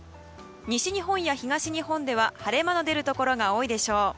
西日本や東日本では晴れ間が出るところが多いでしょう。